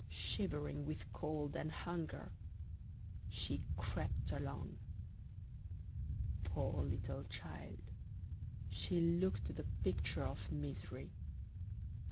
Shivering with cold and hunger, she crept along; poor little child, she looked the picture of misery.